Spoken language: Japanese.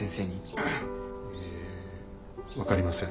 ええ分かりません。